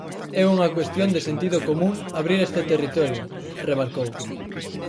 É unha cuestión de sentido común abrir este territorio, remarcou.